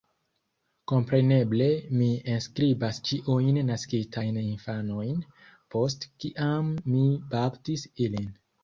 Kompreneble mi enskribas ĉiujn naskitajn infanojn, post kiam mi baptis ilin.